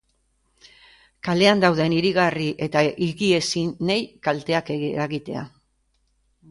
Kalean dauden higigarri eta higiezinei kalteak eragitea.